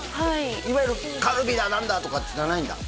いわゆるカルビだ何だとかっていうのじゃないんだ